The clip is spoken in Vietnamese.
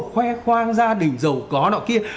khoe khoang gia đình giàu có nào kia